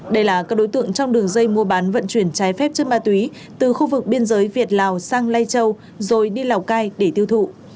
đây là các đối tượng trong đường dây mua bán vận chuyển trái phép chất ma túy từ khu vực biên giới việt lào sang lai châu rồi đi lào cai để tiêu thụ